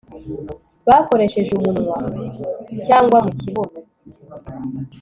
bakoresheje umunwa cyangwa mu kibuno